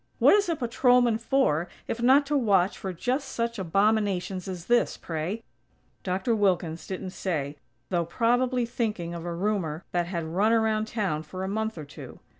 What is a patrolman for, if not to watch for just such abominations as this, pray?" Dr. Wilkins didn't say, though probably thinking of a rumor that had run around town for a month or two.